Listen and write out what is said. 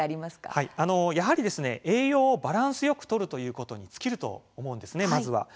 やはり栄養をバランスよくとるということに尽きると思うんですね、まずは。